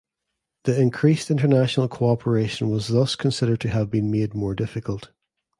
The increased international cooperation was thus considered to have been made more difficult.